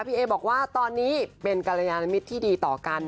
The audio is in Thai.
พี่เอ๊บอกว่าตอนนี้เป็นกรณีดความน่ารัตห์มิตรที่ดีต่อกัน